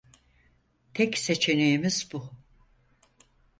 Tek seçeneğimiz bu.